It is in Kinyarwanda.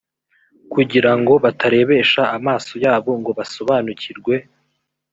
kugira ngo batarebesha amaso yabo ngo basobanukirwe